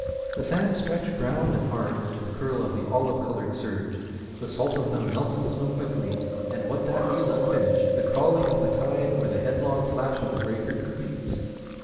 The sands stretch brown and hard to the curl of the olive coloured surge ; the salt of them melts the snow quickly, and what that leaves unfinished the crawling of the tide or the headlong flash of the breaker completes.